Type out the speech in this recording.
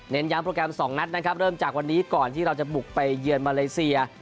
ย้ำโปรแกรม๒นัดนะครับเริ่มจากวันนี้ก่อนที่เราจะบุกไปเยือนมาเลเซีย